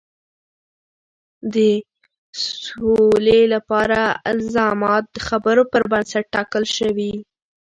د سولې لپاره الزامات د خبرو پر بنسټ ټاکل شوي.